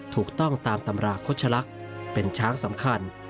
ถูกต้องตามตำราโฆษลักษณ์เป็นช้างสำคัญ